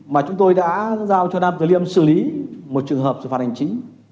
mà chúng tôi đã giao cho nam tử liêm xử lý một trường hợp xử phạt hành chính